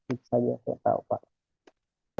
itu saya tahu pak